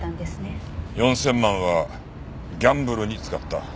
４０００万はギャンブルに使った。